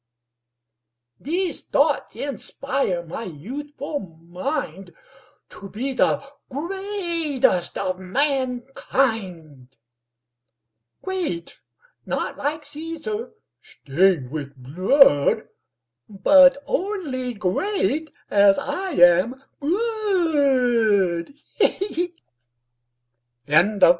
These thoughts inspire my youthful mind To be the greatest of mankind: Great, not like Cæsar, stained with blood, But only great as I am good.